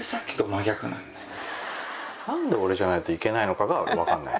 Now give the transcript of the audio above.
なんで俺じゃないといけないのかがわかんない。